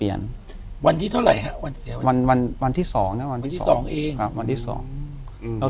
อยู่ที่แม่ศรีวิรัยิลครับ